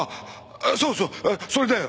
そうそうそれだよ！